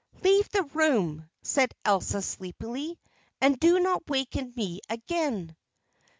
"Leave the room," said Elsa sleepily, "and do not waken me again!"